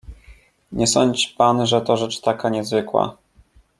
"Nie sądź pan, że to rzecz taka niezwykła."